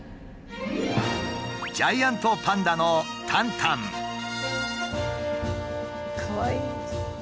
ジャイアントパンダのかわいい。